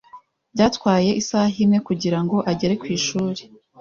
Byatwaye isaha imwe kugirango agere ku ishuri.